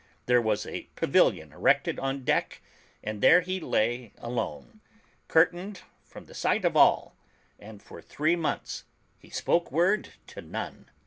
There was a pavilion erected on deck and there he lay alone, curtained from the sight of all, and for three months he spoke word to none.